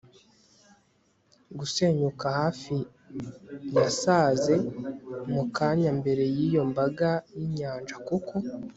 gusenyuka hafi-yasaze mukanya mbere yiyo mbaga yinyanja kuko